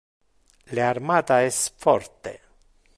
Le armata es forte.